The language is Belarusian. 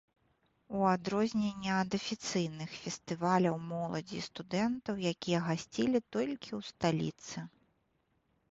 У адрозненне ад афіцыйных фестываляў моладзі і студэнтаў, якія гасцілі толькі ў сталіцы.